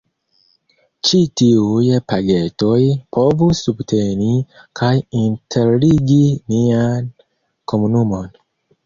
Ĉi tiuj “pagetoj” povus subteni kaj interligi nian komunumon.